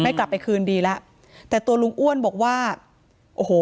กลับไปคืนดีแล้วแต่ตัวลุงอ้วนบอกว่าโอ้โห